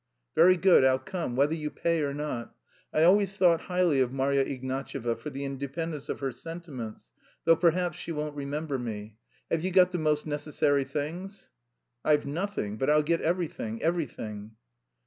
"Very good, I'll come, whether you pay or not. I always thought highly of Marya Ignatyevna for the independence of her sentiments, though perhaps she won't remember me. Have you got the most necessary things?" "I've nothing, but I'll get everything, everything."